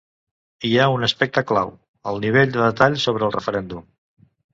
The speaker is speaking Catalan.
Hi ha un aspecte clau: el nivell de detall sobre el referèndum.